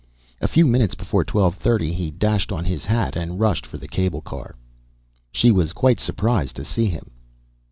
A few minutes before twelve thirty he dashed on his hat and rushed for the cable car. She was quite surprised to see him.